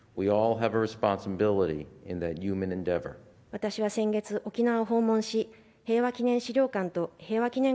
私は先月、沖縄を訪問し平和祈念資料館と平和祈念